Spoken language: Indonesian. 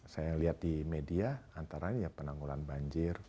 saya lihat di media antara ya penanggulan banjir